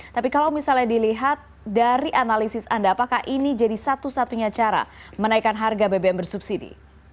tapi kalau misalnya dilihat dari analisis anda apakah ini jadi satu satunya cara menaikkan harga bbm bersubsidi